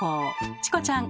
チコちゃん